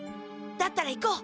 だったら行こう。